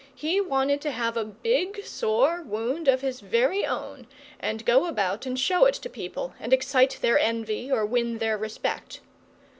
He wanted to have a big, sore wound of his very own, and go about and show it to people, and excite their envy or win their respect.